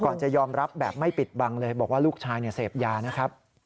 จะยอมรับแบบไม่ปิดบังเลยบอกว่าลูกชายเสพยานะครับ